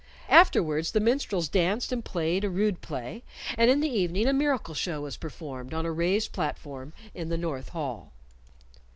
Afterwards the minstrels danced and played a rude play, and in the evening a miracle show was performed on a raised platform in the north hall.